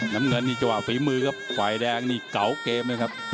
น้ำเงินนี่จังหวะฝีมือครับฝ่ายแดงนี่เก่าเกมเลยครับ